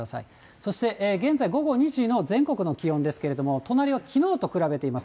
そして現在、午後２時の全国の気温ですけれども、隣はきのうと比べています。